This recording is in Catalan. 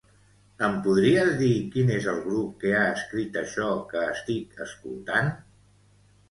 Em podries dir quin és el grup que ha escrit això que estic escoltant?